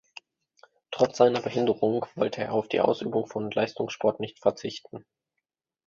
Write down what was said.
Trotz seiner Behinderung wollte er auf die Ausübung von Leistungssport nicht verzichten.